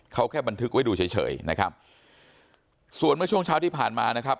เขาแค่บันทึกไว้ดูเฉยเฉยนะครับส่วนเมื่อช่วงเช้าที่ผ่านมานะครับ